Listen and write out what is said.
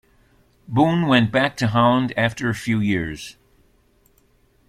Boon went back to Holland after a few years.